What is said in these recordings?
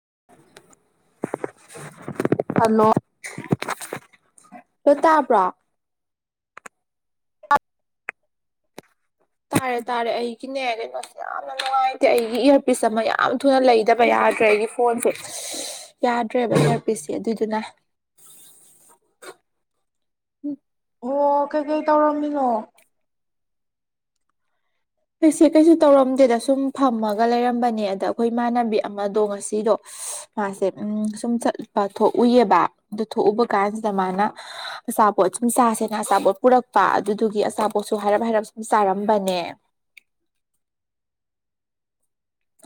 [inaudible] hello ꯂ ꯇꯥꯕ꯭ꯔꯣ ꯇꯥꯔꯦ ꯇꯥꯔꯦ ꯑꯩꯒꯤꯅꯦ ꯀꯩꯅꯣꯁꯦ ꯌꯥꯝꯅ ꯅꯨꯡꯉꯥꯏꯇꯦ ꯑꯩꯒꯤ ꯏꯌꯥꯔꯄꯤꯁ ꯑꯃ ꯌꯥꯝ ꯊꯨꯅ ꯂꯩꯗꯕ ꯌꯥꯗ꯭ꯔꯦ ꯑꯩꯒꯤ ꯐꯣ ꯐꯣꯟꯁꯦ ꯌꯥꯗ꯭ꯔꯦꯕ ꯑꯦꯌꯥꯔ ꯄꯤꯁ ꯁꯦ ꯑꯗꯨꯗꯨꯅ ꯑꯣ ꯀꯩꯀꯩ ꯇꯧꯔꯝꯃꯤꯅꯣ ꯑꯩꯁꯦ ꯀꯩꯁꯨ ꯇꯧꯔꯝꯗꯦꯗ ꯁꯨꯝ ꯐꯝꯃꯒ ꯂꯩꯔꯝꯕꯅꯦ ꯑꯗ ꯑꯩꯈꯣꯏ ꯏꯃꯥꯟꯅꯕꯤ ꯑꯃꯗꯣ ꯉꯁꯤꯗꯣ ꯃꯥꯁꯦ ꯎꯝ ꯁꯨꯝ ꯆꯠꯄ ꯊꯣꯛꯎꯏꯌꯦꯕ ꯑꯗꯨ ꯊꯣꯛꯎꯕ ꯀꯥꯟꯁꯤꯗ ꯃꯥꯅ ꯑꯆꯥꯄꯣꯠ ꯁꯨꯝ ꯆꯥꯁꯦꯅ ꯑꯆꯥꯄꯣꯠ ꯄꯨꯔꯛꯄ ꯑꯗꯨꯗꯨꯒꯤ ꯑꯆꯥꯄꯣꯠꯁꯨ ꯍꯥꯏꯔꯞ ꯍꯥꯏꯔꯞ ꯁꯨꯝ ꯆꯥꯔꯝꯕꯅꯦ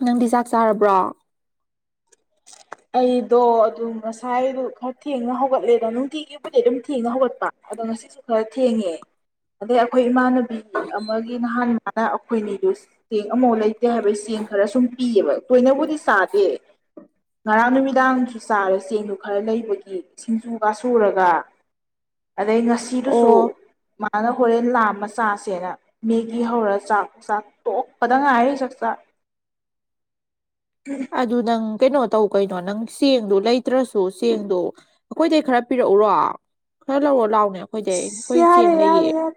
ꯅꯪꯗꯤ ꯆꯥꯛ ꯆꯥꯔꯕ꯭ꯔꯣ ꯑꯩꯗꯣ ꯑꯗꯨꯝ ꯉꯁꯥꯏꯗꯨ ꯈꯔ ꯊꯦꯡꯅ ꯍꯧꯒꯠꯂꯦꯗ ꯅꯨꯡꯇꯤꯒꯤꯕꯨꯗꯤ ꯑꯗꯨꯝ ꯊꯦꯡꯅ ꯍꯧꯒꯠꯄ ꯑꯗꯣ ꯉꯁꯤ [unintelligible] ꯊꯦꯡꯉꯦ ꯑꯗꯩ ꯑꯩꯈꯣꯏ ꯏꯃꯥꯟꯅꯨꯕꯤ ꯑꯃꯒꯤ ꯅꯍꯥꯟ ꯍꯥꯅ ꯑꯈꯣꯏꯅꯤꯗꯨ ꯆꯦꯡ ꯑꯃꯎ ꯂꯩꯇꯦ ꯍꯥꯏꯕ ꯆꯦꯡ ꯈꯔ ꯁꯨꯝ ꯄꯤꯌꯦꯕ ꯇꯣꯏꯅꯕꯨꯗꯤ ꯆꯥꯗꯦ ꯉꯔꯥꯡ ꯅꯨꯃꯤꯗꯥꯡꯁꯨ ꯆꯥꯔꯦ ꯆꯦꯡꯗꯨ ꯈꯔ ꯂꯩꯕꯒꯤ ꯁꯤꯡꯖꯨ ꯒꯥ ꯁꯨꯔꯒ ꯑꯗꯩ ꯉꯁꯤꯗꯨꯁꯨ ꯑꯣ ꯃꯥꯅ ꯍꯣꯔꯦꯟ ꯂꯥꯝꯃ ꯆꯥꯁꯦꯅ ꯃꯤꯒꯤ ꯍꯧꯔꯒ ꯆꯥꯛ ꯆꯥꯛ ꯇꯣꯛꯄꯗ ꯉꯥꯏꯔꯤ ꯆꯥꯛꯆꯥꯥꯛ [unintelligible] ꯑꯗꯨ ꯅꯪ ꯀꯩꯅꯣ ꯇꯧ ꯀꯩꯅꯣ ꯅꯪ ꯆꯦꯡꯗꯣ ꯂꯩꯇ꯭ꯔꯁꯨ ꯆꯦꯡꯗꯣ ꯑꯈꯣꯏꯗꯩ ꯈꯔ ꯄꯤꯔꯛꯎꯔꯣ ꯈꯔ ꯂꯧꯔꯣ ꯂꯥꯎꯅꯦ ꯑꯩꯈꯣꯏꯗꯩ ꯏꯁ ꯑꯩꯈꯣꯏ ꯌꯥꯔꯦ ꯆꯦꯡ ꯂꯩꯌꯦ ꯌꯥꯔꯦ ꯌꯥꯔꯦ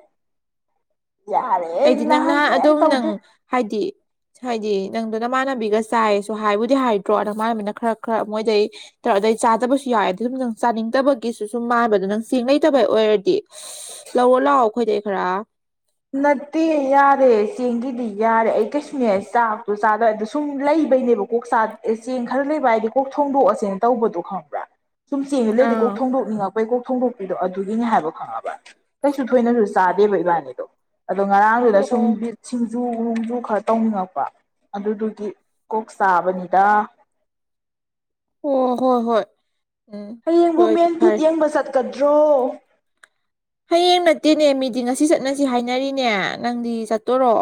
ꯌꯥꯔꯦ ꯑꯩ ꯑꯩꯗꯤ ꯅꯍꯥꯟ ꯅꯪꯅꯍꯥ ꯀꯩꯝ ꯑꯗꯨꯝ ꯇꯧꯗꯦ ꯅꯪ ꯍꯥꯏꯗꯤ ꯍꯥꯏꯗꯤ ꯅꯪꯗꯣ ꯅꯃꯥꯟꯅꯕꯤꯒ ꯆꯥꯏꯁꯨ ꯍꯥꯏꯕꯨꯗꯤ ꯍꯥꯏꯗ꯭ꯔꯣ ꯅꯃꯥꯟꯅꯕꯤꯅ ꯈꯔ ꯈꯔ ꯃꯣꯏꯗꯩ ꯇꯧ ꯑꯗꯩ ꯆꯥꯗꯕꯁꯨ ꯌꯥꯎꯑꯦ [unintelligible] ꯅꯪ ꯆꯥꯅꯤꯡꯗꯕꯒꯤꯁꯨ ꯁꯨꯝ ꯃꯥꯟꯕ ꯑꯗꯣ ꯅꯪ ꯆꯦꯡ ꯂꯩꯩꯇꯕꯩ ꯑꯣꯏꯔꯗꯤ ꯂꯧꯑꯣ ꯂꯥꯛꯑꯣ ꯑꯩꯈꯣꯏꯗꯩ ꯈꯔ ꯅꯠꯇꯦ ꯌꯥꯔꯦ ꯆꯦꯡꯒꯤꯗꯤ ꯌꯥꯔꯦ ꯑꯩ ꯀꯩꯁꯨꯅꯦ ꯆꯥꯕ ꯆꯥꯗ ꯑꯗꯨ ꯁꯨꯝ ꯂꯩꯕꯩꯅꯦꯕ ꯀꯣꯛ ꯆ ꯑꯦ ꯆꯦꯡ ꯈꯔ ꯂꯩꯕ ꯍꯥꯏꯗꯤ ꯀꯣꯛ ꯊꯣꯡꯗꯣꯛꯑꯁꯦꯅ ꯇꯧꯕꯗꯣ ꯈꯪꯕ꯭ꯔꯥ ꯁꯨꯝ ꯆꯦꯡꯗꯣ ꯂꯩꯗꯤ ꯀꯣꯛ ꯑꯥ ꯊꯣꯡꯗꯣꯛꯅꯤꯡꯉꯛ ꯍꯣꯏ ꯀꯣꯛ ꯊꯣꯡꯀꯣꯛꯄꯤꯗꯣ ꯑꯗꯨꯒꯤꯅꯤ ꯍꯥꯏꯕ ꯈꯪꯉꯕ ꯀꯩꯁꯨ ꯊꯣꯏꯅꯖꯨ ꯆꯥꯗꯦꯕ ꯏꯕꯥꯅꯤꯗꯣ ꯑꯗꯣ ꯉꯔꯥꯡꯗꯨꯗ ꯁꯨꯝ ꯑꯣ ꯕꯤꯠ ꯁꯤꯡꯖꯨ ꯅꯨꯡꯖꯨ ꯈꯔ ꯇꯧꯅꯕ ꯑꯗꯨꯗꯨꯒꯤ ꯀꯣꯛ ꯆꯥꯕꯅꯤꯗꯥ ꯑꯣ ꯍꯣꯏ ꯍꯣꯏ ꯎꯝ ꯑꯗꯨ ꯍꯌꯦꯡꯕꯨ ꯑꯣꯏꯗꯤ ꯃꯦꯟ ꯐꯤꯠ ꯐꯔꯦ ꯌꯦꯡꯕ ꯆꯠꯀꯗ꯭ꯔꯣ ꯍꯌꯦꯡ ꯅꯠꯇꯦꯅꯦ ꯃꯤꯗꯤ ꯉꯁꯤ ꯆꯠꯅꯁꯤ ꯍꯥꯏꯅꯔꯤꯅꯦ ꯅꯪꯗꯤ ꯆꯠꯇꯣꯔꯣ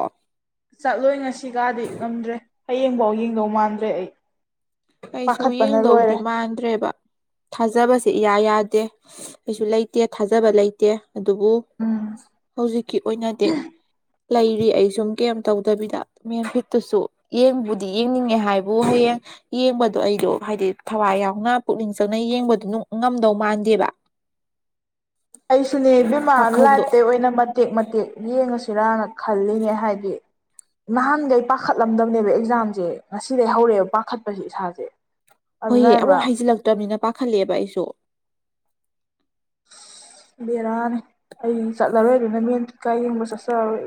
ꯆꯠꯂꯣꯏ ꯉꯁꯤ ꯀꯗꯤ ꯉꯝꯗ꯭ꯔꯦ ꯍꯌꯦꯡꯐꯥꯎ ꯌꯦꯡꯗꯧ ꯃꯥꯟꯗ꯭ꯔꯦ ꯑꯩ ꯀꯩꯁꯨ ꯄꯥꯈꯠꯄꯅ ꯌꯦꯡꯗꯧꯗꯤ ꯂꯣꯏꯔꯦ ꯃꯥꯟꯗ꯭ꯔꯦꯕ ꯊꯥꯖꯕꯁꯦ ꯏꯌꯥ ꯌꯥꯗꯦ ꯀꯩꯁꯨ ꯂꯩꯇꯦ ꯊꯥꯖꯕ ꯂꯩꯇꯦ ꯑꯗꯨꯕꯨ ꯎꯝ ꯍꯧꯖꯤꯛꯀꯤ ꯑꯣꯏꯅꯗꯤ ꯂꯩꯔꯤ ꯑꯩ ꯁꯨꯝ ꯀꯦꯝ ꯇꯧꯗꯕꯤꯗ ꯃꯦꯝ ꯐꯤꯠꯇꯨꯁꯨ ꯌꯦꯡꯕꯨꯗꯤ ꯌꯦꯡꯅꯤꯡꯉꯦ ꯍꯥꯏꯕꯨ ꯍꯌꯦꯡ ꯌꯦꯡꯕꯗꯣ ꯑꯩꯗꯣ ꯍꯥꯏꯗꯤ ꯊꯋꯥꯏ ꯌꯥꯎꯅ ꯄꯨꯛꯅꯤꯡ ꯆꯪꯅ ꯌꯦꯡꯕꯗꯨ ꯅꯨꯡ ꯉꯝꯗꯧ ꯃꯥꯟꯗꯦꯕꯥ ꯑꯩꯁꯨꯅꯦ ꯏꯕꯦꯝꯃ ꯋꯥꯈꯜꯗꯣ ꯂꯥꯞꯇꯩ ꯑꯣꯏꯅ ꯃꯠ ꯃꯇꯦꯛ ꯃꯇꯦꯛ ꯌꯦꯡꯉꯁꯤꯔꯅ ꯈꯜꯂꯤꯅꯦ ꯍꯥꯏꯗꯤ ꯅꯍꯥꯟꯒꯩ ꯄꯥꯈꯠꯂꯝꯗꯕꯅꯦꯕ ꯑꯦꯛꯖꯥꯝꯖꯦ ꯉꯁꯤꯗꯩ ꯍꯧꯔꯦꯕ ꯄꯥꯈꯠꯄꯖꯦ ꯏꯁꯥꯖꯦ ꯍꯣꯏꯑꯦ ꯑꯃꯨꯛ ꯍꯩꯖꯤꯜꯂꯛꯇꯕꯅꯤꯅ ꯄꯥꯈꯠꯂꯦꯕ ꯑꯩꯖꯨ ꯕꯦꯔꯥꯅꯦ ꯑꯩ ꯆꯠꯂꯔꯣꯏ ꯑꯗꯨꯅ ꯃꯨꯟꯀ [unintelligible] ꯌꯦꯡꯕ ꯆꯠꯆꯔꯔꯣꯏ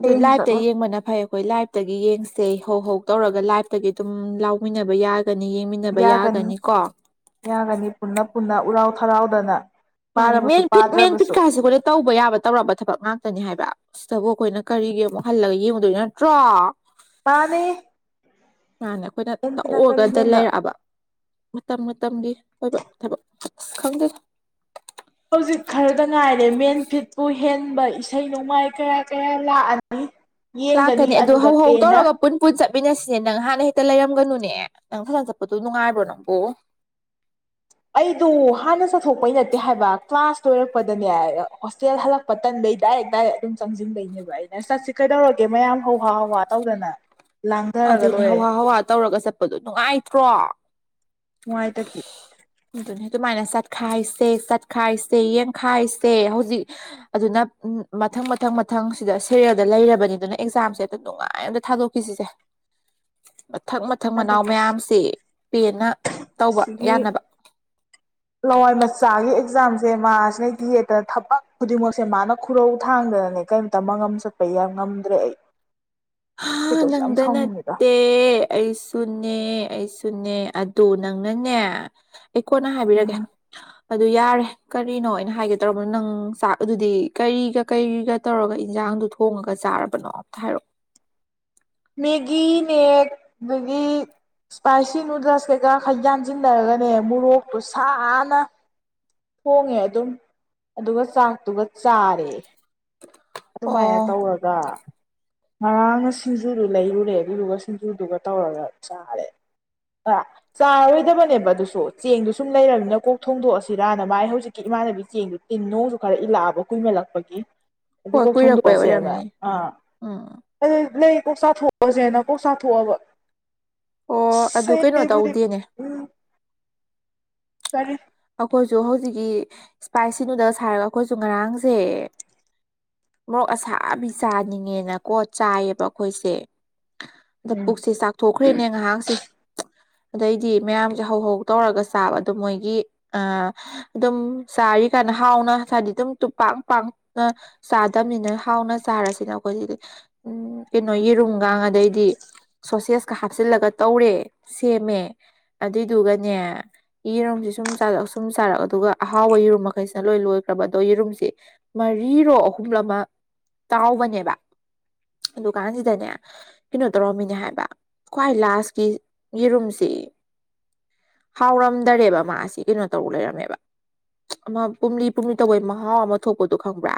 ꯑꯗꯨ ꯍꯌꯦꯡꯁꯨ ꯂꯥꯏꯚꯇ ꯆꯠꯂꯣꯏ ꯌꯦꯡꯕꯅ ꯐꯩ ꯍꯣꯏ ꯂꯥꯏꯐꯇꯒꯤ ꯌꯦꯡꯁꯦ ꯍꯧ ꯍꯧ ꯇꯧꯔꯒ ꯂꯥꯏꯐꯇꯒꯤ ꯑꯗꯨꯝ ꯂꯥꯎꯃꯤꯟꯅꯕ ꯌꯥꯒꯅꯤ ꯌꯦꯡꯃꯤꯟ ꯌꯥꯒꯅꯤ ꯌꯥꯒꯅꯤ ꯄꯨꯟꯅ ꯄꯨꯟꯅ ꯎꯔꯥꯎ ꯊꯔꯥꯎꯗꯅ ꯃꯥꯅꯤ ꯄꯥꯔꯕꯁꯨ ꯃꯦꯟ ꯐꯤꯠ ꯃꯦꯟ ꯐꯤꯠ ꯄꯥꯗ꯭ꯔꯕꯁꯨ ꯀꯥꯥꯁꯦ [unintelligible] ꯇꯧꯕ ꯌꯥꯕ ꯇꯧꯔꯕ ꯊꯕꯛ ꯉꯥꯛꯇꯅꯤ ꯍꯥꯏꯕ ꯁꯤꯗꯕꯨ ꯑꯩꯈꯣꯏꯅ ꯀꯔꯤꯒꯤ ꯑꯃꯨꯛ ꯍꯜꯂꯒ ꯌꯦꯡꯉꯨꯗꯣꯏ ꯅꯠꯇ꯭꯭ꯔꯣ ꯃꯥꯅꯤ ꯃꯥꯥꯟꯅꯤ ꯑꯩꯈꯣꯏꯅ ꯑꯦꯝ ꯐꯤꯠꯅ ꯀꯔꯤ ꯇꯎꯔꯒꯗ ꯍꯦꯟꯕ ꯂꯩꯔꯛꯑꯕ ꯃꯇꯝ ꯃꯇꯝꯒꯤ ꯑꯣꯏꯕ ꯊꯕꯛ [unintelligible] ꯈꯪꯗꯦ ꯍꯧꯖꯤꯛ ꯈꯔꯗ ꯉꯥꯏꯔꯦ ꯃꯦꯟꯐꯤꯠꯄꯨ ꯍꯦꯟꯕ ꯏꯁꯩ ꯅꯣꯡꯃꯥꯏ ꯀꯌꯥ ꯀꯌꯥ ꯂꯥꯛꯑꯅꯤ ꯌꯦꯡꯒꯅꯤ ꯂꯥꯛꯀꯅꯤ ꯑꯗꯨ ꯑꯗꯨꯗ ꯍꯧ ꯍꯧ ꯄꯦꯟꯅ ꯇꯧꯔꯒ ꯄꯨꯟ ꯄꯨꯟ ꯆꯠꯃꯤꯟꯅꯁꯤꯅꯦ ꯅꯪ ꯍꯥꯟꯅ ꯍꯦꯛꯇ ꯂꯩꯔꯝꯒꯅꯨꯅꯦ ꯅꯪ ꯐꯖꯅ ꯆꯠꯄꯗꯣ ꯅꯨꯡꯉꯥꯏꯕ꯭ꯔꯣ ꯅꯪꯕꯨ ꯑꯩꯗꯨ ꯍꯥꯟꯅ ꯆꯠꯊꯣꯛꯄꯩ ꯅꯠꯇꯦ ꯍꯥꯏꯕ ꯀ꯭ꯂꯥꯁ ꯂꯣꯏꯔꯛꯄꯗꯅꯦ ꯍꯣꯁꯇꯦꯜ ꯍꯜꯂꯛ ꯄꯇꯟꯕꯩ ꯗꯥꯏꯔ‌ꯦꯛ ꯗꯥꯏꯔ‌ꯦꯛ ꯑꯗꯨꯝ ꯆꯪꯁꯤꯟꯕꯩꯅꯦ ꯕ [unintelligible] ꯑꯩꯅ ꯆꯠꯁꯤ ꯀꯩꯗꯧꯔꯒꯦ ꯃꯌꯥꯝ ꯍꯋꯥ ꯍꯋꯥ ꯇꯧꯗꯅ ꯂꯥꯡꯊꯔꯒ ꯑꯗꯨꯅꯦ ꯂꯣꯏꯔꯦ ꯍꯧꯍꯥ ꯍꯧꯍꯥ ꯇꯧꯔꯒ ꯆꯠꯄꯗꯣ ꯅꯨꯡꯉꯥꯏꯇ꯭ꯔꯣ ꯅꯨꯡꯉꯥꯏ ꯇꯗꯤ ꯑꯗꯨꯅꯤ ꯑꯗꯨꯃꯥꯏꯅ ꯆꯠꯈꯥꯏꯁꯦ ꯆꯠꯈꯥꯏꯁꯦ ꯌꯦꯡꯈꯥꯏꯁꯦ ꯍꯧꯖꯤꯛ ꯑꯗꯨꯅ ꯃꯊꯪ ꯃꯊꯪ ꯃꯊꯪ ꯁꯤꯗ ꯁꯦꯔꯦꯜꯗ ꯂꯩꯔꯕꯅꯤ ꯑꯗꯨꯅ ꯑꯦꯛꯖꯥꯝꯁꯦ ꯑꯗꯨꯝ ꯅꯨꯡꯉꯥꯏ ꯑꯝꯇ ꯊꯥꯗꯣꯛ ꯖꯤꯖ [unintelligible] [inaudible] ꯃꯊꯛ ꯃꯊꯛ ꯃꯅꯥꯎ ꯍꯟꯗꯛꯀꯤꯁꯦ ꯃꯌꯥꯝꯁꯤ ꯄꯦꯟꯅ ꯇꯧꯕ ꯁꯤꯒꯤ ꯌꯥꯅꯕ ꯂꯋꯥꯏ ꯃꯆꯥꯒꯤ ꯑꯦꯛꯖꯥꯝꯁꯦ ꯃꯥꯁꯤꯅ ꯌꯦꯠꯇꯅ ꯊꯕꯛ ꯈꯨꯗꯤꯡꯃꯛꯁꯦ ꯃꯥꯅ ꯈꯨꯔꯧ ꯊꯥꯡꯗꯅꯅꯦ ꯀꯔꯤ ꯇꯃ ꯉꯝ ꯆꯠꯄ ꯌꯥꯝ ꯉꯝꯗ꯭ꯔꯦ ꯑꯩ ꯍꯥ ꯑꯩꯈꯣꯏꯗꯧꯁꯨ ꯌꯥꯝ ꯅꯪꯗ ꯁꯥꯎꯅꯤꯡꯉꯤꯗ ꯅꯠꯇꯦ ꯑꯦ ꯑꯩꯁꯨꯅꯦ ꯑꯩꯁꯨꯅꯦ ꯑꯗ ꯅꯪꯅꯅꯦ ꯑꯩ ꯀꯣꯟꯅ ꯍꯥꯏꯕꯤꯔꯒꯦ ꯎꯝ ꯑꯗꯨ ꯌꯥꯔꯦ ꯀꯔꯤꯅꯣ ꯑꯩꯅ ꯍꯥꯏꯒꯦ ꯇꯧꯔꯕꯅꯣ ꯅꯪ ꯆꯥꯛ ꯑꯗꯨꯗꯤ ꯀꯔꯤꯒ ꯀꯔꯤꯒ ꯇꯧꯔꯒ ꯏꯟꯖꯥꯡꯗꯨ ꯊꯣꯡꯉꯒ ꯆꯥꯔꯕꯅꯣ ꯑꯝꯇ ꯍꯥꯏꯔꯛꯑꯣ ꯃꯦꯒꯤꯅꯦꯦꯛ ꯃꯒꯤ ꯏꯁꯄꯥꯏꯁꯤ ꯅꯨꯗꯜꯁ ꯀꯩꯀꯥ ꯈꯔ ꯌꯥꯟꯁꯤꯟꯅꯔꯒꯅꯦ ꯃꯣꯔꯣꯛꯇꯨ ꯁꯥꯅ ꯊꯣꯡꯉꯦ ꯑꯗꯨꯝ ꯑꯗꯨꯒ ꯆꯥꯛꯇꯨꯒ ꯆꯥꯔꯦ ꯑꯗꯨꯃꯥꯏꯅ ꯑꯣ ꯇꯧꯔꯒ ꯉꯔꯥꯡꯅ ꯁꯤꯡꯖꯨꯗꯨ ꯂꯩꯔꯨꯔꯦ ꯑꯗꯨꯗꯨꯒ ꯁꯤꯡꯖꯨꯗꯨꯒ ꯇꯧꯔꯒ ꯆꯥꯔꯦ ꯑ ꯆꯥꯔꯔꯣꯏꯗꯕꯅꯦꯕ ꯑꯗꯨꯁꯨ ꯆꯦꯡꯗꯨ ꯁꯨꯝ ꯂꯩꯔꯃꯤꯅ ꯀꯣꯛ ꯊꯣꯡꯗꯣꯛꯑꯁꯤꯔꯅ ꯃꯥꯥꯏ ꯍꯧꯖꯤꯛꯀꯤ ꯏꯃꯥꯟꯅꯕꯤ ꯆꯦꯡꯗꯨ ꯇꯤꯟ ꯣꯡꯁꯨ ꯈꯔ ꯏꯜꯂꯛꯑꯕ ꯀꯨꯏꯃꯜꯂꯛꯄꯒꯤ ꯑꯗꯨ ꯀꯣꯛ ꯊꯣꯡꯗꯣꯛꯑꯁꯦꯅ ꯑꯥ ꯑꯣ ꯑꯗꯨ ꯅ ꯀꯣꯛ ꯆꯥꯊꯣꯛꯑꯁꯦꯅ ꯀꯣꯛ ꯆꯥꯊꯣꯛꯑꯕ ꯑꯣ ꯑꯗꯨ ꯀꯩꯅꯣ ꯁꯕꯨꯗꯤ ꯇꯧꯗꯦꯅꯦ ꯎꯝ ꯀꯔꯤ ꯑꯩꯈꯣꯏꯁꯨ ꯍꯧꯖꯤꯛꯀꯤ ꯏꯁꯄꯥꯏꯁꯤ ꯅꯨꯗꯜ ꯁꯥ ꯍꯥꯏꯔꯒ ꯑꯩꯈꯣꯏꯁꯨ ꯉꯔꯥꯡꯁꯦ ꯃꯔꯣꯛ ꯑꯁꯥꯕꯤ ꯆꯥꯅꯤꯡꯉꯦꯅꯀꯣ ꯆꯥꯏꯌꯦꯕ ꯑꯩꯈꯣꯏꯁꯦ ꯑꯗ ꯎꯝ ꯄꯨꯛꯁꯦ ꯆꯥꯛꯊꯣꯛꯈ꯭ꯔꯦꯅꯦ ꯉꯥꯏꯍꯥꯛꯁꯦ ꯑꯗꯩꯗꯤ ꯃꯌꯥꯝꯁꯦ ꯍꯧꯍ ꯇꯧꯔꯒ ꯇꯥꯕ ꯑꯗꯨꯣ ꯃꯣꯏꯒꯤ ꯑ ꯑꯗꯨꯝ ꯆꯥꯔꯤ ꯀꯥꯟꯗ ꯍꯥꯎꯅ ꯍꯥꯏꯗꯤ ꯑꯗꯨꯝ ꯄꯥꯛ ꯄꯥꯛꯅ ꯆꯥꯗꯕꯅꯤꯅ ꯍꯥꯎꯅ ꯆꯥꯔꯁꯤꯅ ꯑꯩꯈꯣꯏꯁꯤꯗꯤ ꯎꯝ ꯀꯩꯅꯣ ꯌꯦꯔꯨꯝꯒ ꯑꯗꯩꯗꯤ ꯁꯣꯁꯦꯁꯀ ꯍꯥꯞꯆꯤꯜꯂꯒ ꯇꯧꯔꯦ ꯁꯦꯝꯃꯦ ꯑꯗꯨꯏꯗꯨꯒꯅꯦ ꯌꯦꯔꯨꯝꯁꯦ ꯁꯨꯝꯥꯔ ꯁꯨꯝ ꯆꯥꯔꯛ ꯑꯗꯨꯒ ꯑꯍꯥꯎꯕ ꯌꯦꯔꯨꯝ ꯃꯈꯩꯁꯤꯅ ꯂꯣꯏ ꯂꯣꯏꯈ꯭ꯔꯕ ꯑꯗꯣ ꯌꯦꯔꯨꯝꯁꯦ ꯃꯔꯤꯔꯣ ꯑꯍꯨꯝ ꯑꯃ ꯇꯥꯎꯕꯅꯦꯕ ꯑꯗꯨꯀꯥꯟꯁꯤꯗꯅꯦ ꯀꯩꯅꯣ ꯇꯧꯔꯝꯃꯤꯅꯦ ꯍꯥꯏꯕ ꯈ꯭ꯋꯥꯏ ꯂꯥꯁꯀꯤ ꯌꯦꯔꯨꯝꯁꯤ ꯍꯥꯎꯔꯝꯗꯔꯦꯕ ꯃꯥꯁꯤ ꯀꯩꯅꯣ ꯇꯧꯔ ꯂꯩꯔꯝꯃꯦꯕ ꯄꯨꯝꯂꯤ ꯄꯨꯝꯂꯤ ꯇꯧꯕꯩ ꯃꯍꯥꯎ ꯑꯃ ꯊꯣꯛꯄꯗꯣ ꯈꯪꯕ꯭ꯔꯥ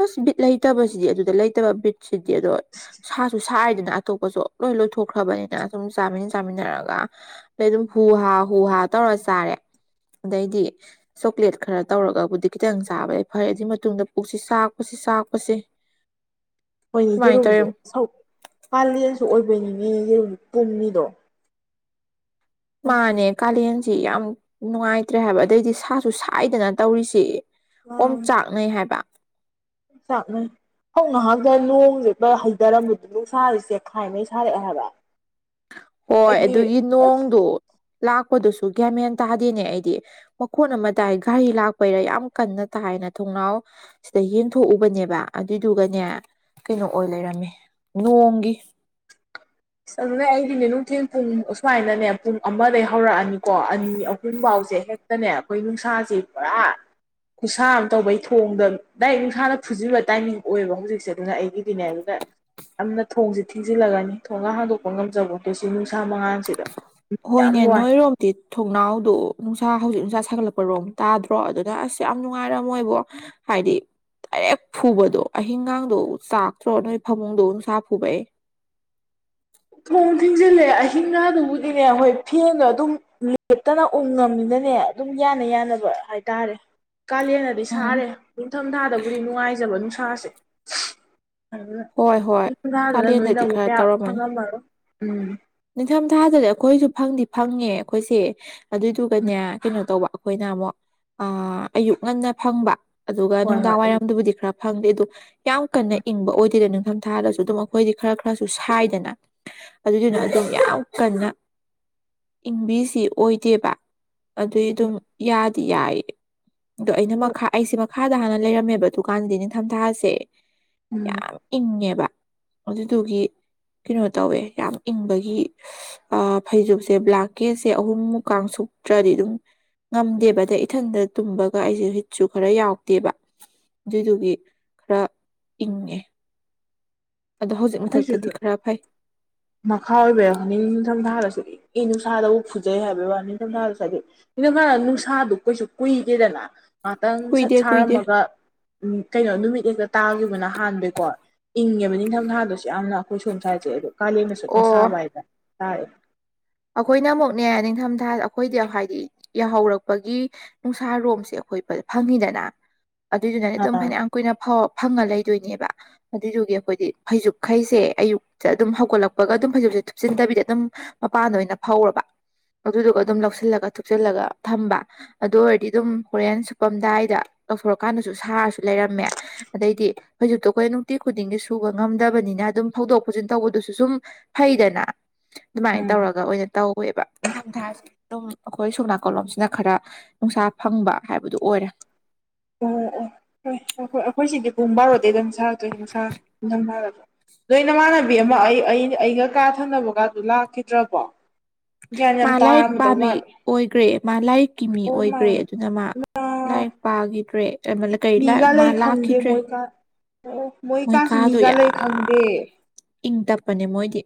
ꯑꯁ ꯂꯩꯇꯕꯁꯤꯗꯤ ꯑꯗꯨꯗ ꯂꯩꯇꯕ ꯕꯤꯠꯁꯤꯗꯤ ꯑꯗꯣ ꯁꯥꯁꯨ ꯁꯥꯏꯗꯅ ꯑꯇꯣꯞꯄꯁꯨ ꯂꯣꯏ ꯂꯣꯏꯊꯣꯛꯈ꯭ꯔꯕꯅꯤꯅ ꯁꯨꯝ ꯆꯥꯃꯤꯟ ꯆꯥꯃꯤꯟꯅꯔꯒ ꯑꯗꯩ ꯑꯗꯨꯝ ꯍꯨ ꯍꯥ ꯍꯨ ꯍꯥ ꯇꯧꯔ ꯆꯥꯔꯦ ꯑꯗꯩꯗꯤ ꯆꯣꯀ꯭ꯂꯦꯠ ꯈꯔ ꯇꯧꯔꯒꯕꯨꯗꯤ ꯈꯤꯇꯪ ꯆꯥꯕ ꯌꯥꯏ ꯐꯔꯩꯦ ꯑꯗꯨꯏ ꯃꯇꯨꯡꯗ ꯄꯨꯛꯁꯤ ꯆꯥꯛꯄꯁꯤ ꯆꯥꯛꯄꯁꯦ ꯍꯣꯏꯅꯦ ꯌꯦꯦꯔꯨꯝꯝꯗꯣꯛ ꯄꯥꯂꯦꯟꯁꯨ ꯑꯣꯏꯕꯣꯏꯅꯤꯅꯦꯦꯅꯦ ꯌꯦꯦꯔꯨꯝꯝ ꯄꯨꯡꯅꯤꯗꯣ ꯃꯥꯅꯦ ꯀꯥꯂꯦꯟꯁꯤ ꯌꯥꯝ ꯅꯨꯡꯉꯥꯏꯇ꯭ꯔꯦ ꯍꯥꯏꯕ ꯑꯗꯩꯗꯤ ꯁꯥꯁꯨ ꯁꯥꯏꯗꯅ ꯇꯧꯔꯤꯁꯤ ꯑꯣꯝ ꯌꯥꯝ ꯆꯥꯛꯅꯩ ꯍꯥꯏꯕ [inaudible] ꯍꯧ ꯉꯍꯥꯛꯇ ꯅꯣꯡꯁꯦꯇ ꯍꯩꯊꯔꯝꯃꯤꯗꯨꯕꯨ ꯁꯔꯤꯁꯦ ꯆꯦꯛꯈꯥꯏꯉꯩ ꯁꯥꯔꯛꯑꯦ ꯍꯥꯏꯕ ꯍꯣꯏ ꯑꯩꯗꯤ ꯑꯗꯨꯒꯤ ꯑꯁ ꯅꯣꯡꯗꯨ ꯂꯥꯛꯄꯗꯨꯁꯨ ꯒ꯭ꯌꯥꯃꯦꯟ ꯇꯥꯗꯦꯅꯦ ꯑꯩꯗꯤ ꯃꯈꯣꯟ ꯑꯃ ꯇꯥꯏ ꯘꯔꯤ ꯂꯥꯛꯄꯩꯔꯥ ꯌꯥꯝ ꯀꯟꯅ ꯇꯥꯏꯅ ꯊꯣꯡꯅꯥꯎ ꯁꯤꯗ ꯌꯦꯡꯊꯣꯛꯎꯕꯅꯦꯕ ꯑꯗꯨꯏꯗꯨꯒꯅꯦ ꯀꯩꯅꯣ ꯑꯣꯏ ꯂꯩꯔꯝꯃꯦ ꯅꯣꯡꯒꯤ ꯑ ꯑꯗꯨꯅꯦ ꯑꯩꯗꯤꯅꯦ ꯅꯨꯡꯊꯤꯟ ꯄꯨꯡ ꯑꯨꯃꯥꯏꯗꯅꯦ ꯄꯨꯡ ꯑꯃꯗꯒꯤ ꯍꯧꯔꯛꯑꯅꯤ ꯀꯣ ꯑꯅꯤ ꯑꯍꯨꯟꯐꯥꯎꯁꯦ ꯍꯦꯛꯇꯅꯦ ꯑꯩꯈꯣꯏ ꯅꯨꯡꯁꯥꯁꯦ ꯄꯨꯔꯥ ꯈꯨꯁꯥ ꯑꯃ ꯇꯧꯕꯩ ꯊꯣꯡꯗ ꯗꯥꯏꯔꯦꯛ ꯅꯨꯡꯁꯥꯗ ꯐꯨꯖꯤꯕ ꯇꯥꯏꯃꯤꯡ ꯑꯣꯏꯌꯦꯕ ꯍꯧꯖꯤꯛꯁꯦ ꯑꯗꯨꯅ ꯑꯩꯒꯤꯗꯤꯅꯦ ꯑꯗꯨꯗ ꯌꯥꯝꯅ ꯊꯣꯡꯁꯤ ꯊꯤꯡꯖꯤꯜꯂꯒꯅꯤ ꯊꯣꯡꯒ ꯍꯥꯡꯗꯣꯛꯄꯒ ꯉꯝꯖꯕꯣꯠꯇꯦ ꯁꯤꯒꯤ ꯅꯨꯡꯁꯥ ꯃꯉꯥꯟꯜꯁꯤꯗ ꯍꯣꯏꯅꯦ ꯅꯣꯏꯔꯣꯝ ꯊꯣꯡꯅꯥꯎꯗꯣ ꯅꯨꯡꯁꯥ ꯍꯧꯖꯤꯛ ꯅꯨꯡꯁꯥ ꯁꯥꯒꯠꯂꯛꯄꯔꯣꯝ ꯇꯥꯗ꯭ꯔꯣ ꯑꯗꯨꯅ ꯑꯁ ꯌꯥꯝ ꯅꯨꯡꯉꯥꯏꯔꯝꯃꯣꯏꯕꯣ ꯍꯥꯏꯗꯤ ꯗꯥꯏꯔꯦꯛ ꯐꯨꯕꯗꯣ ꯑꯍꯤꯡꯒꯥꯡꯗꯣ ꯆꯥꯛꯇ꯭ꯔꯣ ꯅꯣꯏ ꯐꯃꯨꯡꯗꯣ ꯅꯨꯡꯁꯥ ꯐꯨꯕꯩ ꯊꯣꯡ ꯊꯤꯡꯖꯤꯜꯂꯦ ꯑꯍꯤꯡꯒꯥꯥꯗꯨꯕꯨꯗꯤꯅꯦ ꯍꯣꯏ ꯐꯦꯟ ꯑꯗꯨꯝ ꯂꯦꯞꯇꯅ ꯎꯪꯉꯝꯅꯤꯅꯅꯦ ꯑꯗꯨꯝ ꯌꯥꯅ ꯌꯥꯅꯕ ꯍꯥꯏꯇꯥꯔꯦ ꯀꯥꯂꯦꯟꯅꯗꯤ ꯎꯝ ꯁꯥꯔꯦ ꯅꯤꯡꯊꯝ ꯊꯥꯗꯕꯨꯗꯤ ꯅꯨꯡꯉꯥꯏꯖꯕ ꯅꯨꯡꯁꯥꯁꯦ ꯍꯣꯏ ꯍꯣꯏ ꯀꯥꯂꯦꯟꯗꯗꯤ ꯈꯔ [unintelligible] ꯅꯤꯡꯊꯝ ꯊꯥꯗꯗꯤ ꯑꯩꯈꯣꯏꯁꯨ ꯐꯪꯗꯤ ꯐꯪꯉꯦ ꯑꯩꯈꯣꯏꯁꯦ ꯑꯗꯨꯏꯗꯨꯒꯅꯦ ꯀꯩꯅꯣ ꯇꯧꯕ ꯑꯩꯈꯣꯏꯅ ꯑꯃꯨꯛ ꯑꯥ ꯑꯌꯨꯛ ꯉꯟꯅ ꯐꯪꯕ ꯑꯗꯨꯒ ꯍꯣꯏ ꯍꯣꯏ ꯅꯨꯡꯗꯥꯡ ꯋꯥꯏꯔꯝꯗꯨꯕꯨꯗꯤ ꯈꯔ ꯐꯪꯗꯦ ꯑꯗꯨ ꯌꯥꯝ ꯀꯟꯅ ꯏꯪꯕ ꯑꯣꯏꯗꯦꯗꯅ ꯅꯤꯡꯊꯝ ꯊꯥꯗꯁꯨ ꯑꯗꯨꯝ ꯑꯩꯈꯣꯏꯗꯤ ꯈꯔ ꯈꯔꯁꯨ ꯁꯥꯏꯗꯅ [unintelligible] ꯀꯟꯅ ꯏꯪꯕꯤꯁꯤ ꯑꯣꯏꯗꯦꯕ ꯑꯗꯨꯢ ꯑꯗꯨꯝ ꯌ ꯗꯤ ꯌꯥꯏꯌꯦ ꯑꯗꯣ ꯑꯩꯅ ꯃꯈꯥ ꯑꯩꯁꯦ ꯃꯈꯥꯗ ꯍꯥꯟꯅ ꯂꯩꯔꯝꯃꯦꯕ ꯗꯨꯀꯥꯟꯗꯤ ꯅꯤꯡꯊꯝꯊꯥꯁꯦ ꯎꯝ ꯌꯥꯝ ꯏꯪꯉꯦꯕ ꯑꯗꯨꯗꯨꯒꯤ ꯀꯩꯅꯣ ꯇꯧꯋꯦ ꯌꯥꯝ ꯏꯪꯕꯒꯤ ꯑꯥ ꯐꯩꯖꯨꯞꯁꯦ ꯕ꯭ꯂꯥꯟꯀꯦꯁꯦ ꯑꯍꯨꯝꯃꯨꯛꯀ ꯁꯨꯞꯇ꯭ꯔꯗꯤ ꯑꯗꯨꯝ ꯉꯝꯗꯦꯕ ꯑꯗꯩ ꯏꯊꯟꯗ ꯇꯨꯝꯕꯒ ꯑꯩꯁꯦ ꯍꯤꯠꯁꯨ ꯈꯔ ꯌꯥꯎꯗꯦꯕ ꯑꯗꯨꯏꯗꯨꯒꯤ ꯈꯔ ꯏꯪꯉꯦ ꯑꯗꯣ ꯍꯧꯖꯤꯛ ꯃꯊꯛꯇꯗꯤ ꯈꯔ ꯐꯩ [unintelligible] ꯑꯩ ꯅꯨꯡꯁꯥꯗꯕꯨ ꯐꯨꯖꯩ ꯍꯥꯏꯕꯒꯤ ꯋꯥꯅꯤ ꯅꯤꯡꯊꯝꯊꯥ ꯆꯒꯦ ꯏꯅꯝꯃ ꯅꯨꯡꯁꯥꯗꯨ ꯀꯩꯁꯨ ꯀꯨꯏꯗꯦꯗꯅ ꯉꯍꯥꯇꯪ ꯁꯠ ꯀꯨꯏꯗꯦ ꯀꯨꯏꯗꯦ ꯁꯥꯔꯝꯃꯒ ꯎꯝ ꯀꯩꯅꯣ ꯅꯨꯃꯤꯠ ꯍꯦꯛꯇ ꯇꯥꯒꯤꯕꯅ ꯍꯥꯟꯕꯩꯀꯣ ꯏꯪꯉꯦꯕ ꯅꯤꯡꯊꯝꯊꯥ ꯑꯗꯨꯁꯨ ꯌꯥꯝꯅ ꯑꯩꯈꯣꯏ ꯁꯣꯝ ꯁꯥꯏꯗꯁꯦ ꯑꯗꯣ ꯀꯥꯂꯦꯟꯅꯁꯨ ꯑꯣ [unintelligible] ꯇꯥꯔꯦ ꯑꯩꯈꯣꯏꯅ ꯑꯃꯨꯛꯅꯦ ꯅꯤꯡꯊꯝꯊꯥ ꯑꯩꯈꯣꯏꯗꯤ ꯍꯥꯏꯗꯤ ꯌꯥꯍꯧꯔꯛꯄꯒꯤ ꯅꯨꯡꯁꯥꯔꯣꯝꯁꯦ ꯑꯩꯈꯣꯏ ꯐꯪꯉꯤꯗꯅ ꯑꯗꯨꯏꯗꯨꯅꯅꯦ ꯑꯗꯨꯝ ꯑꯥ ꯐꯅꯌꯥꯝ ꯀꯨꯢꯅꯐꯥꯎ ꯐꯪꯉ ꯂꯩꯗꯣꯏꯅꯦꯕ ꯑꯗꯨꯏꯗꯨꯒꯤ ꯑꯩꯈꯣꯏꯗꯤ ꯐꯩꯖꯨꯞꯈꯩꯁꯦ ꯑꯌꯨꯛ ꯑꯗꯨꯝ ꯍꯧꯒꯠꯂꯛꯄꯒ ꯑꯗꯨꯝ ꯐꯩꯖꯨꯞꯁꯦ ꯊꯨꯞꯆꯤꯟꯗꯕꯤꯗ ꯑꯗꯨꯝ ꯃꯄꯥꯟꯗ ꯑꯣꯏꯅ ꯐꯧꯔꯕ ꯑꯗꯨꯗꯨꯒ ꯑꯗꯨꯝ ꯂꯧꯁꯤꯜꯂꯒ ꯊꯨꯞꯆꯜꯂꯒ ꯊꯝꯕ ꯑꯗꯨ ꯑꯣꯏꯔꯗꯤ ꯑꯗꯨꯝ ꯍꯣꯔꯦꯟ ꯁꯨꯞꯄꯝꯗꯥꯏꯗ ꯂꯧꯊꯣꯔꯀꯥꯟꯗꯁꯨ ꯁꯥꯔꯁꯨ ꯂꯩꯔꯝꯃꯦ ꯑꯗꯩꯗꯤ ꯐꯩꯖꯨꯞꯇꯣ ꯑꯩꯈꯣꯏ ꯅꯨꯡꯇꯤ ꯈꯨꯗꯤꯡꯒꯤ ꯁꯨꯕ ꯉꯝꯗꯕꯅꯤꯅ ꯑꯗꯨꯝ ꯐꯧꯗꯣꯛ ꯐꯥꯎꯖꯤꯟ ꯇꯧꯕꯗꯨꯁꯨ ꯁꯨꯝ ꯐꯩꯗꯅ ꯗꯨꯃꯥꯏꯅ ꯎꯝ ꯇꯧꯔꯒ ꯑꯣꯏꯅ ꯇꯧꯋꯦꯕ ꯅꯤꯡꯊꯝꯊꯥꯥꯁꯤꯗꯤ ꯑꯗꯨꯝ ꯑꯩꯈꯣꯏ ꯁꯣꯝ ꯅꯥꯀꯜꯂꯣꯝꯁꯤꯅ ꯈꯔ ꯅꯨꯡꯁꯥ ꯐꯪꯕ ꯍꯥꯏꯕꯗꯨ ꯑꯣꯏꯔꯦ ꯑꯣ ꯑꯣ ꯍꯣꯏ ꯑꯩꯈꯣꯏ ꯑꯈꯣꯢ ꯁꯤꯗꯤ ꯄꯨꯡ ꯕꯥꯔꯣꯗꯤ ꯑꯗꯨꯝ ꯁꯥꯗꯣꯢꯅꯤ ꯅꯨꯡꯁꯥ ꯢꯪꯊꯝꯊꯥ ꯅꯣꯏ ꯅꯃꯥꯟꯅꯕꯤ ꯑꯃ ꯑꯩ ꯑꯩ ꯑꯩꯒ ꯀꯥ ꯊꯪꯅꯕ ꯒꯥꯗꯨ ꯂꯥꯛꯈꯤꯗ꯭ꯔꯕꯣ ꯒ꯭ꯌꯥꯟ ꯌꯥꯝ ꯃꯥ ꯂꯥꯏꯔꯤꯛ ꯇꯥꯔꯝꯃꯗꯧ ꯄꯥꯕꯤ ꯃꯥꯜꯂꯦ ꯑꯣꯏꯈ꯭ꯔꯦ ꯃꯥ ꯂꯥꯏꯔꯤꯛꯀꯤ ꯃꯤ ꯑꯣ ꯃꯥꯏ ꯑꯣꯏꯈ꯭ꯔꯦ ꯑꯗꯨꯅ ꯃꯥ ꯒꯣꯗ ꯂꯥꯏꯛ [unintelligible] ꯃꯤꯒ ꯂꯩ ꯈꯪꯗꯦ ꯃꯣꯏꯀꯥ ꯑꯣ ꯃꯣꯏ ꯃꯣꯏꯀꯥꯁꯦ ꯀꯥꯗꯣ ꯃꯤꯒ ꯂꯩ ꯈꯪꯗꯦ ꯌꯥꯝ ꯏꯪ ꯇꯞꯄꯅꯦ ꯃꯣꯏꯗꯤ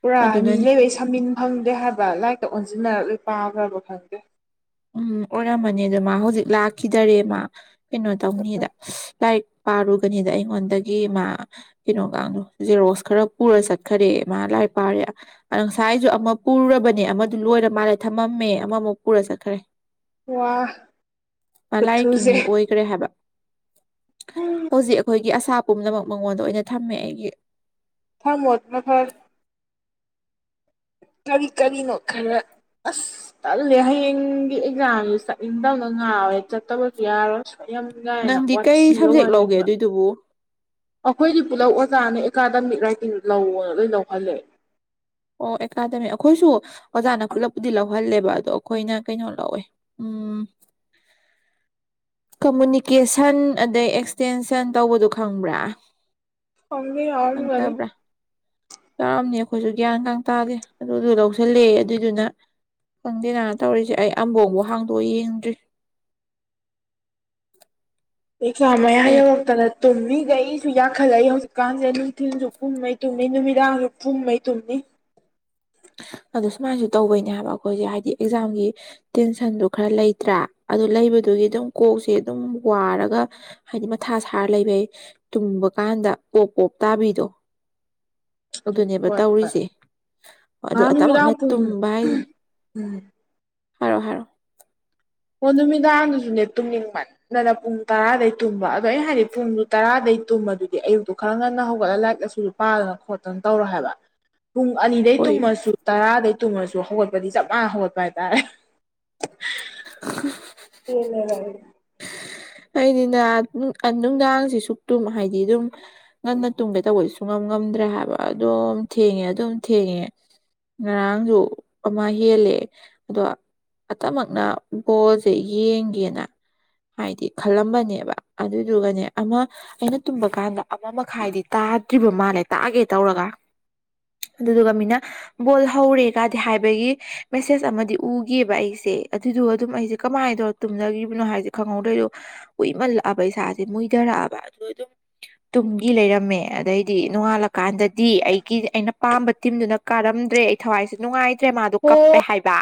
ꯄꯨꯔꯥ ꯃꯤ ꯑꯗꯨꯅꯅꯦ ꯂꯩꯕꯩ ꯁꯝꯃꯤꯟ ꯐꯪꯗꯦ ꯍꯥꯏꯕ ꯂꯥꯏꯔꯤꯛꯇ ꯑꯣꯟꯁꯤꯟꯅꯔꯂꯣꯏ ꯄꯥꯈ꯭ꯔꯕ ꯈꯪꯗꯦ ꯎꯝ ꯑꯣꯏꯔꯃꯅꯤ ꯑꯗ ꯃꯥ ꯍꯧꯖꯤꯛ ꯂꯥꯛꯈꯤꯗꯔꯦ ꯃꯥ ꯀꯩꯅꯣ ꯇꯧꯅꯤꯗ ꯂꯥꯏꯔꯤꯛ ꯄꯥꯔꯨꯕꯅꯤꯗ ꯑꯩꯉꯣꯟꯗꯒꯤ ꯃꯥ ꯀꯩꯅꯣꯒ ꯖꯦꯔꯣꯛꯁ ꯈꯔ ꯄꯨꯔ ꯆꯠꯈꯔꯦ ꯃꯥ ꯂꯥꯏ ꯄꯥꯔꯦ ꯉꯁꯥꯏꯁꯨ ꯑꯃ ꯄꯨꯔꯨꯔꯕꯅꯦ ꯑꯃꯗꯨ ꯂꯣꯏꯔ ꯃꯥꯜꯂꯦ ꯊꯃꯝꯃꯦ ꯑꯃꯃꯨꯛ ꯄꯨꯔ ꯆꯠ ꯈꯔꯦ ꯋꯥ ꯃꯥ ꯂꯥꯏꯔꯤꯛꯀꯤ ꯈꯨꯊꯨꯁꯦ ꯃꯤ ꯑꯣꯏꯒꯔꯦ ꯍꯥꯏꯕ ꯍꯧꯖꯤꯛ ꯑꯩꯈꯣꯏꯒꯤ ꯑꯁꯥ ꯄꯨꯝꯅꯃꯛ ꯃꯉꯣꯟꯗ ꯑꯣꯏꯅ ꯊꯝꯃꯦ ꯑꯩꯒꯤ ꯊꯝꯃꯣꯠ ꯈꯔ ꯈꯔ ꯀꯔꯤ ꯀꯔꯤꯅꯣ ꯈꯔ ꯑꯁ ꯇꯜꯂꯦ ꯍꯌꯦꯡꯒꯤ ꯑꯦꯛꯖꯥꯝꯁꯦ ꯆꯠꯅꯤꯡꯗꯕꯅ ꯉꯥꯎꯋꯦ ꯆꯠꯇꯕꯁꯨ ꯌꯥꯔꯣꯏ ꯌꯥꯝ ꯅꯨꯉꯥꯏꯅ ꯋꯥꯊꯤꯒ ꯋꯥꯔꯦꯕ ꯑꯗꯨꯕꯨ ꯑꯩꯈꯣꯏꯗꯤ ꯄꯨꯂꯞ ꯑꯣꯖꯥꯅ ꯑꯦꯀꯥꯗꯃꯤꯛ ꯔꯥꯏꯇꯤꯡ ꯂꯧꯅ ꯂꯣꯏ ꯂꯧꯍꯜꯂꯦ ꯑꯣ ꯑꯦꯀꯥꯗꯃꯤ ꯑꯩꯈꯣꯏꯁꯨ ꯑꯣꯖꯥꯅ ꯈꯨꯂꯞꯄꯨꯗꯤ ꯂꯧꯍꯜꯂꯦꯕ ꯑꯗꯣ ꯑꯩꯈꯣꯏꯅ ꯀꯩꯅꯣ ꯂꯧꯋꯦ ꯎꯝ [inaudible] ꯀꯃꯨꯅꯤꯀꯦꯁꯟ ꯑꯗꯩ ꯑꯦꯛꯁꯇꯦꯟꯁꯟ ꯇꯧꯕꯗꫭ ꯈꯪꯕ꯭ꯔꯥ ꯈꯪꯗꯦ ꯌꯥꯎꯔꯝꯒꯅꯤ ꯈꯪꯇꯕ꯭ꯔꯥ ꯌꯥꯎꯔꯝꯅꯤ ꯑꯩꯈꯣꯏꯁꯨ ꯒ꯭ꯌꯥꯟ ꯀꯥꯡ ꯇꯥꯔꯦ ꯑꯗꯨꯗꯨ ꯂꯧꯁꯜꯂꯛꯑꯦ ꯑꯗꯨꯏꯗꯨꯅ ꯈꯪꯗꯦ ꯅ ꯇꯧꯔꯤꯁꯦ ꯑꯩ ꯑꯝꯕꯣꯕꯨ ꯍꯥꯡꯗꯣꯛ ꯌꯦꯡꯗ꯭ꯔꯤ ꯑꯦꯛꯖꯥꯝ ꯃꯌꯥ ꯑꯦ ꯌꯧꯔꯛꯇꯅ ꯇꯨꯝꯃꯤꯒꯩꯁꯨ ꯌꯥꯡꯈꯠꯂꯛꯏ ꯍꯧꯖꯤꯛꯀꯥꯟꯖꯦ ꯅꯨꯡꯊꯤꯜꯁꯨ ꯄꯨꯝꯉꯩ ꯇꯨꯝꯃꯤ ꯅꯨꯃꯤꯗꯥꯡꯁꯨ ꯄꯨꯝꯉꯩ ꯇꯨꯝꯃꯤ ꯑꯗꯨ ꯁꯨꯃꯥꯏꯅꯁꯨ ꯇꯧꯕꯩꯅꯦ ꯍꯥꯏꯕ ꯑꯩꯈꯣꯏꯁꯦ ꯍꯥꯏꯗꯤ ꯑꯦꯛꯖꯥꯝꯒꯤ ꯇꯦꯟꯁꯟꯗꯨ ꯈꯔ ꯂꯩꯇ꯭ꯔꯥ ꯑꯗꯨ ꯂꯩꯕꯗꯨꯒꯤ ꯑꯗꯨꯝ ꯀꯣꯛꯁꯦ ꯑꯗꯨꯝ ꯋꯥꯔꯒ ꯍꯥꯏꯗꯤ ꯃꯊꯥ ꯁꯥꯔ ꯂꯩꯕꯩ ꯇꯨꯝꯕ ꯀꯥꯟꯗ ꯄꯣꯞ ꯄꯣꯞ ꯇꯥꯕꯤꯗꯣ ꯍ [unintelligible] ꯑꯗꯨꯅꯦꯕ ꯇꯧꯔꯤꯁꯦ ꯑꯗꯨ ꯉꯍꯥꯟ ꯑꯇꯃꯛꯅ ꯅꯨꯃꯤꯗꯥꯡ ꯄꯨꯡ ꯇꯨꯝꯕ ꯍꯥꯏꯁꯦ ꯎꯝ ꯍꯥꯏꯔꯣ ꯍꯥꯏꯔꯣ ꯑꯣ ꯅꯨꯃꯤꯗꯥꯡꯗꯨꯁꯨꯅꯦ ꯇꯨꯝꯅꯤꯡ ꯃꯟ ꯗꯅ ꯄꯨꯡ ꯇꯔꯥꯗꯩ ꯇꯨꯝꯕ ꯑꯗꯣ ꯑꯩ ꯍꯥꯏꯗꯤ ꯄꯨꯡꯗꯨ ꯇꯔꯥꯗꯩ ꯇꯨꯝꯃꯗꯨꯗꯤ ꯑꯌꯨꯛꯇꯨ ꯈꯔ ꯉꯟꯅ ꯍꯧꯒꯠꯂꯒ ꯂꯥꯏꯔꯤꯛ ꯂꯥꯏꯁꯨ ꯄꯥꯗꯅ ꯈꯣꯠꯇꯅ ꯇꯧꯔꯣ ꯍꯥꯏꯕ ꯄꯨꯡ ꯑꯅꯤꯗꯩ ꯍꯣꯏ ꯇꯨꯝꯃꯁꯨ ꯇꯔꯥꯗꯩ ꯇꯨꯝꯃꯁꯨ ꯍꯧꯒꯠꯄꯗꯤ ꯆꯞ ꯃꯥꯟꯅ ꯍꯧꯒꯠꯄ ꯍꯥꯏꯇꯥꯔꯦ [unintelligible] ꯄꯦꯜꯂꯦꯗ ꯑꯩꯗꯤ ꯑꯩꯅꯤꯅ ꯅꯨꯡꯗꯥꯡꯁꯤ ꯁꯨꯛꯇꯨꯝ ꯍꯥꯏꯗꯤ ꯑꯗꯨꯝ ꯉꯟꯅ ꯇꯨꯝꯒꯦ ꯇꯧꯕꯩꯁꯨ ꯉꯝ ꯉꯝꯗ꯭ꯔꯦ ꯍꯥꯏꯕ ꯑꯗꯨꯝ ꯊꯦꯡꯉꯦ ꯑꯗꯨꯝ ꯊꯦꯡꯉꯦ ꯉꯔꯥꯡꯁꯨ ꯑꯃ ꯍꯦꯜꯂꯦ ꯑꯗꯣ ꯑꯇꯃꯛꯅ ꯕꯣꯜꯖꯦ ꯌꯦꯡꯒꯦꯅ ꯍꯥꯏꯗꯤ ꯈꯜꯂꯝꯕꯅꯦꯕ ꯑꯗꯨꯗꯨꯒꯅꯦ ꯑꯃ ꯑꯩꯅ ꯇꯨꯝꯕ ꯀꯥꯟꯗ ꯑꯃ ꯃꯈꯥꯏꯗꯤ ꯇꯥꯗ꯭ꯔꯤꯕ ꯃꯥꯜꯂꯦ ꯇꯥꯒꯦ ꯇꯧꯔꯒ ꯑꯗꯨꯗꯨꯒ ꯃꯤꯅ ꯕꯣꯜ ꯍꯧꯔꯦ ꯀꯗꯤ ꯍꯥꯏꯕꯒꯤ ꯃꯦꯁꯦꯖ ꯑꯃꯗꯤ ꯎꯒꯤꯕ ꯑꯩꯖꯦ ꯑꯗꯨꯒ ꯑꯗꯨꯝ ꯑꯩꯁꯦ ꯀꯃꯥꯏꯅ ꯇꯧꯔ ꯇꯨꯝꯅꯒꯤꯕꯅꯣ ꯍꯥꯏꯁꯦ ꯈꯪꯍꯧꯗꯣꯏꯗꯣ ꯀꯨꯏꯃꯜꯂꯛꯑꯕ ꯏꯁꯥꯁꯦ ꯃꯨꯏꯊꯔꯛꯑꯕ ꯑꯗꯨꯗꯣ ꯑꯗꯨꯝ ꯇꯨꯡꯒꯤ ꯂꯩꯔꯝꯃꯦ ꯑꯗꯩꯗꯤ ꯅꯣꯡꯉꯥꯜꯂꯀꯥꯟꯗꯗꯤ ꯑꯩꯒꯤ ꯑꯩꯅ ꯄꯥꯝꯕ ꯇꯤꯝꯗꯨꯅ ꯀꯥꯔꯝꯗ꯭ꯔꯦ ꯊꯋꯥꯏꯁꯦ ꯅꯨꯡꯉꯥꯏꯇ꯭ꯔꯦ ꯃꯥꯗꯣ ꯍꯣ ꯀꯞꯄꯦ ꯍꯥꯏꯕ